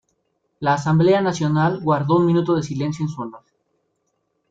La Asamblea Nacional guardó un minuto de silencio en su honor.